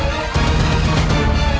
raja ibu nda